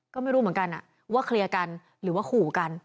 ก็ไม่รู้เหมือนกันว่าเคลียร์กันหรือว่าขู่กัน